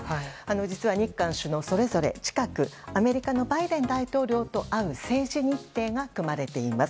実は日韓首脳それぞれ近くアメリカのバイデン大統領と会う政治日程が含まれています。